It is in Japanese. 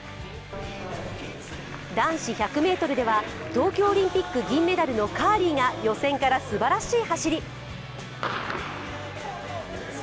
男子１００ｍでは東京オリンピック銀メダルのカーリーが予選からすばらしい走り。